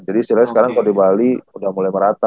istilahnya sekarang kalau di bali udah mulai merata